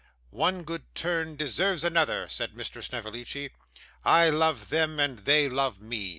'One good turn deserves another,' said Mr. Snevellicci. 'I love them and they love me.